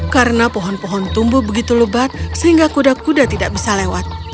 karena pohon pohon tumbuh begitu lubat sehingga kuda kuda tidak bisa lewat